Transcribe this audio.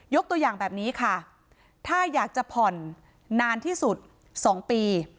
ตัวอย่างแบบนี้ค่ะถ้าอยากจะผ่อนนานที่สุด๒ปี